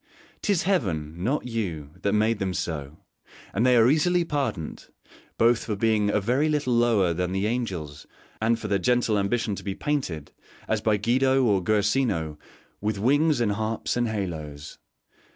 'Tis Heaven, not you, that made them so; and they are easily pardoned, both for being a very little lower than the angels and for their gentle ambition to be painted, as by Guido or Guercino, with wings and harps and haloes.